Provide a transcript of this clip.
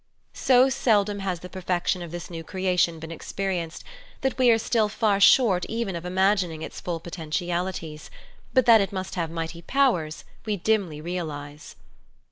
So seldom has the perfection of this new creation been experienced, that we are still far short even of imagining its full potentialities, but that it must have •mighty powers we dimly realise.